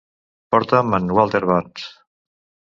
Porta'm en Walter Burns.